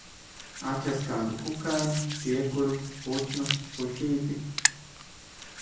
Atrast kādu kukaini, čiekuru, putnu, puķīti...